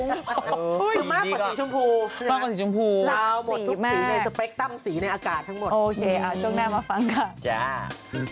เราหมดทุกสีในสเปคตั้มสีในอากาศทั้งหมด